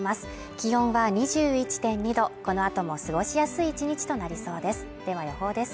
気温は２１．２度、この後も過ごしやすい一日となりそうですでは予報です。